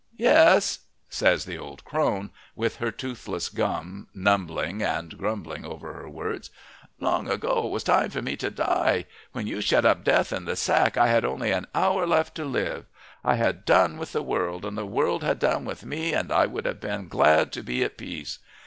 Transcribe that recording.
"Yes," says the old crone, with her toothless gums numbling and grumbling over her words. "Long ago it was time for me to die. When you shut up Death in the sack I had only an hour left to live. I had done with the world, and the world had done with me, and I would have been glad to be at peace.